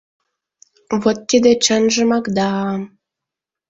Вот тиде чынжымак да-а!..